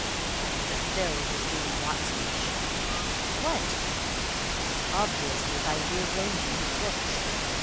But Bill was being Watsonish. "What?" "Obviously by re arranging his books.